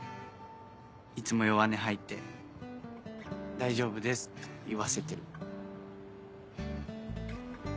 いつも弱音吐いて「大丈夫です」って言わせてる。